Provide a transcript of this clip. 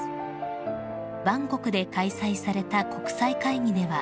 ［バンコクで開催された国際会議では］